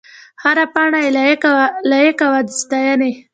هره پاڼه یې لایق وه د ستاینې.